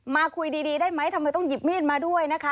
มาคุยดีได้ไหมทำไมต้องหยิบมีดมาด้วยนะคะ